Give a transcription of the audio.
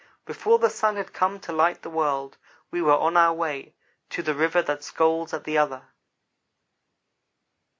Before the sun had come to light the world, we were on our way to "The River That Scolds at the Other."